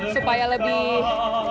supaya lebih menarik